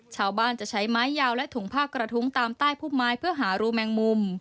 ชาวบ้านจะใช้ไม้ยาวและถุงผ้ากระทุ้งตามใต้พุ่มไม้เพื่อหารูแมงมุม